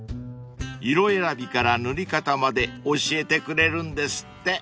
［色選びから塗り方まで教えてくれるんですって］